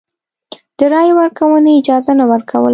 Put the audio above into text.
د رایې ورکونې اجازه نه ورکوله.